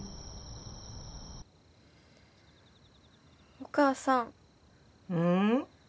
お母さんうん？